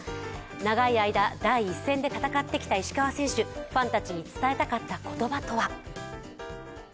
長い間、第一線で戦ってきた石川選手、ファンたちに伝えたかった言葉とは？